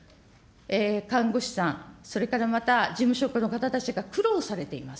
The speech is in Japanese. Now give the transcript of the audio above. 看護師さん、それからまた事務職の方たちが苦労されています。